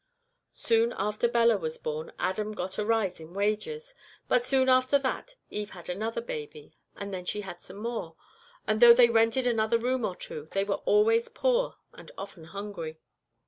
"Soon after Bella was born Adam got a rise in wages, but soon after that Eve had another baby; and then she had some more, and though they rented another room or two they were always poor and often hungry.